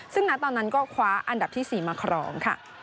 ซึ่งณตอนนั้นก็คว้าอันดับที่๔มาครองค่ะ